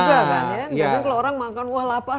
biasanya kalau orang makan wah lapar